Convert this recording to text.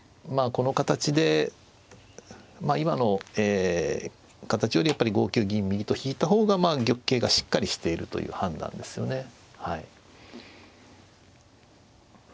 この形で今の形より５九銀右と引いた方が玉形がしっかりしているという判断ですよね。